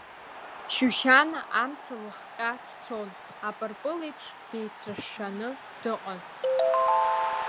Шьушьана амца лыхҟьа дцон, апырпыл еиԥш деицрашәаны дыҟан.